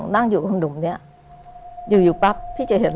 ไม่เห็นแล้วไม่เห็น